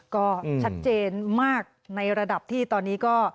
ก็ชัดเจนมากในระดับที่ตอนนี้ก็